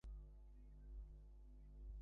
আমি বাগান পরিষ্কার করে দিলাম।